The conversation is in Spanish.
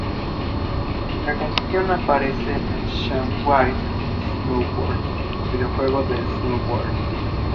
La canción aparece en Shaun White Snowboarding, videojuego de snowboard.